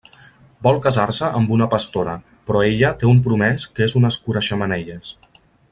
Vol casar-se amb una pastora, però ella té un promès que és un escura-xemeneies.